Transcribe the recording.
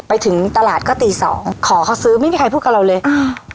ไปถึงตลาดก็ตีสองขอเขาซื้อไม่มีใครพูดกับเราเลยอ่า